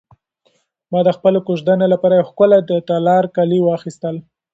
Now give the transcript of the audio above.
ما د خپلې کوژدنې لپاره یو ښکلی د تالار کالي واخیستل.